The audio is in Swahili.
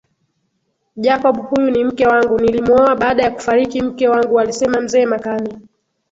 Jacob huyu ni mke wangu nilimuoa baada ya kufariki mke wangualisema mzee Makame